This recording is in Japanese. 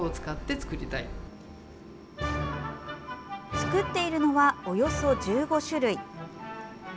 作っているのはおよそ１５種類。